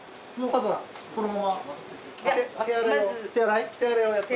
このまま？